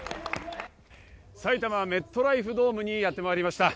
埼玉、メットライフドームにやってまいりました。